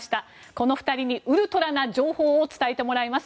この２人にウルトラな情報を伝えてもらいます。